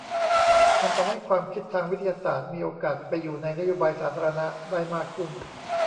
มันทำให้ความคิดทางวิทยาศาสตร์มีโอกาสไปอยู่ในนโยบายสาธารณะได้มากขึ้น